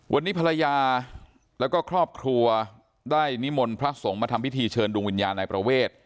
วันนี้ภรรยาแล้วก็ครอบครัวได้นิมนต์พระสงฆ์มาทำพิธีเชิญดวงวิญญาณนายประเวท